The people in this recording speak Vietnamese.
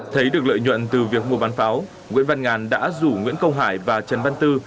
thấy được lợi nhuận từ việc mua bán pháo nguyễn văn ngàn đã rủ nguyễn công hải và trần văn tư